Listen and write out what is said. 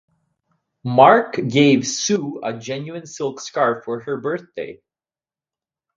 Mark gave Sue a genuine silk scarf for her birthday.